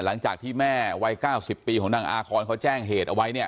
หลังจากที่แม่วัย๙๐ปีของนางอาคอนเขาแจ้งเหตุเอาไว้เนี่ย